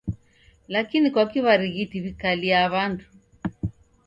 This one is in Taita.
Lakini kwaki w'arighiti w'ikalia w'andu.